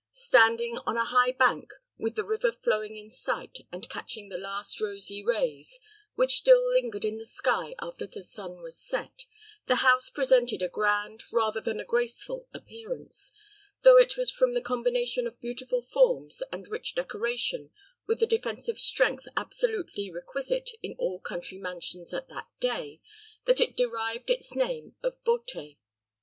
Standing on a high bank, with the river flowing in sight, and catching the last rosy rays, which still lingered in the sky after the sun was set, the house presented a grand, rather than a graceful appearance, though it was from the combination of beautiful forms and rich decoration with the defensive strength absolutely requisite in all country mansions at that day, that it derived its name of Beauté.